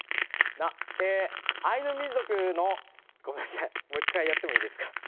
アイヌ民族のごめんなさいもう一回やってもいいですか？